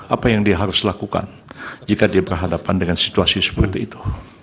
apa yang dia harus lakukan jika dia berhadapan dengan situasi seperti itu